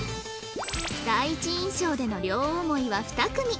第一印象での両思いは２組